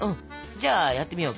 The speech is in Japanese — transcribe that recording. じゃあやってみよう。